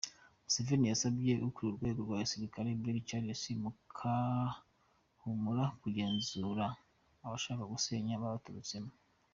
Museveni yasabye ukuriye urwego rwa gisirikare Brig Charles Bakahumura kugenzura abashaka gusenya babaturutsemo.